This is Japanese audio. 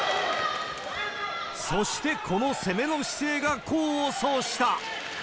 そしてこの攻めの姿勢が功を奏した。